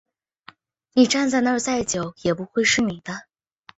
你站在那再久也不会是你的